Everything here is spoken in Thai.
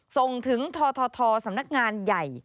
ส่งถึงททสำนักงานใหญ่